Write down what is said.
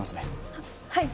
はっはい。